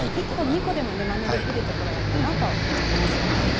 １個でも２個でもまねできるところがあればなと思います。